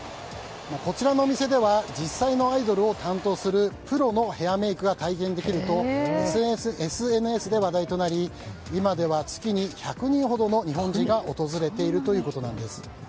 こちらのお店では実際のアイドルを担当するプロのヘアメイクが体験できるとＳＮＳで話題となり今では、月に１００人ほどの日本人が訪れているというんです。